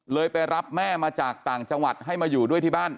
ไปรับแม่มาจากต่างจังหวัดให้มาอยู่ด้วยที่บ้าน